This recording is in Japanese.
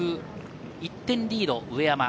１点リード、上山。